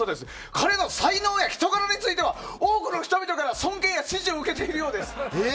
彼の才能や人柄については多くの人々から尊敬や支持を受けているようです。